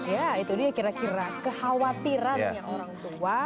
ya itu dia kira kira kekhawatirannya orang tua